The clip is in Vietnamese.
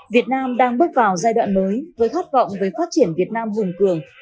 việt nam đang bước vào giai đoạn mới với khát vọng với phát triển việt nam vùng cường